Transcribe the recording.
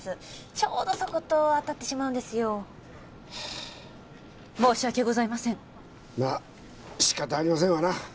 ちょうどそこと当たってしまうんですよはあ申し訳ございませんまあ仕方ありませんわな